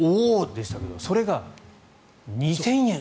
でしたけどそれが、２０００円。